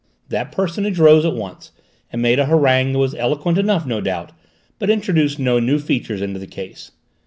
That personage rose at once and made a harangue that was eloquent enough, no doubt, but introduced no new features into the case.